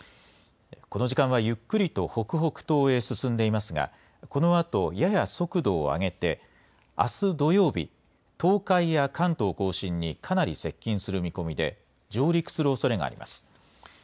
この時間はゆっくりと北北東へ進んでいますが、このあとやや速度を上げて、あす土曜日、東海や関東甲信にかなり接近する見込みで、上陸するおそれがあります。